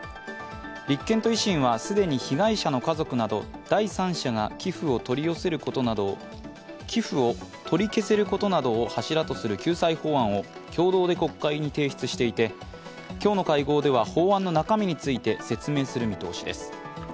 立憲と維新は既に被害者の家族など第三者が寄付を取り消せることなどを柱とする救済法案を共同で国会に提出していて今日の会合では法案の中身について説明する見通しです。